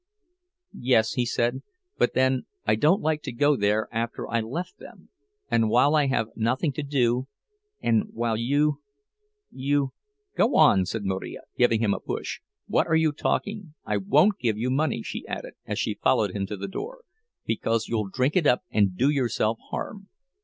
"Yes," he said; "but then I don't like to go there after I left them—and while I have nothing to do, and while you—you—" "Go on!" said Marija, giving him a push. "What are you talking?—I won't give you money," she added, as she followed him to the door, "because you'll drink it up, and do yourself harm.